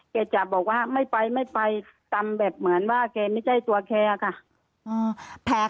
จะบอกว่าไม่ไปไม่ไปตำแบบเหมือนว่าแกไม่ใช่ตัวแกค่ะ